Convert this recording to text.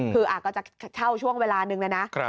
คืออาจจะเช่าช่วงเวลานึงนะนะ